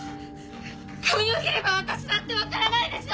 髪を切れば私だって分からないでしょ！